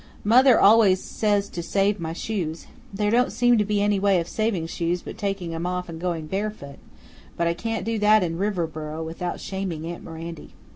Mother always says to save my shoes. There don't seem to be any way of saving shoes but taking 'em off and going barefoot; but I can't do that in Riverboro without shaming aunt Mirandy.